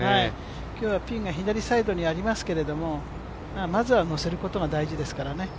今日はピンが左サイドにありますけど、まずはのせることが大事ですからね。